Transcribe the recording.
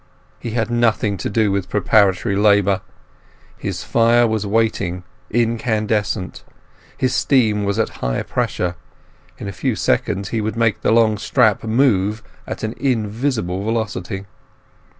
He had nothing to do with preparatory labour. His fire was waiting incandescent, his steam was at high pressure, in a few seconds he could make the long strap move at an invisible velocity.